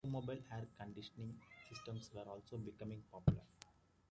Automobile air conditioning systems were also becoming popular.